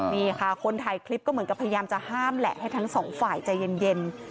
นี่ค่ะคนถ่ายคลิปก็เหมือนกับพยายามจะห้ามแหละให้ทั้งสองฝ่ายใจเย็น